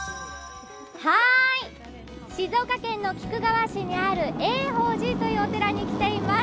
静岡県の菊川市にある永寶寺というお寺に来ています。